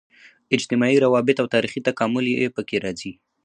اجتماعي روابط او تاریخي تکامل یې په کې راځي.